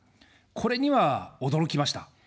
これには驚きました。